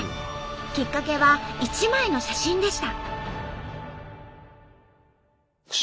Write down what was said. きっかけは１枚の写真でした。